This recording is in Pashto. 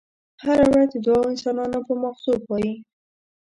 هره ورځ د دوو انسانانو په ماغزو پايي.